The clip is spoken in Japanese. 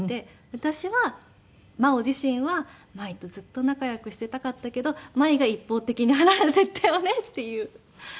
「私は真央自身は舞とずっと仲良くしていたかったけど舞が一方的に離れていったよね」っていう事を話して。